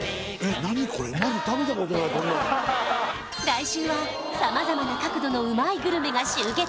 来週は様々な角度のうまいグルメが集結！